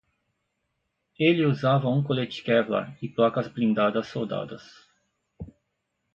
Ele usava um colete kevlar e placas blindadas soldadas